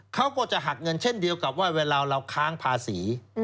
เขาก็จะหักเงินเช่นเดียวกับว่าเวลาเราค้างภาษี